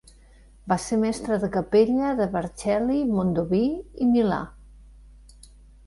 Va ser mestre de capella de Vercelli, Mondovì i Milà.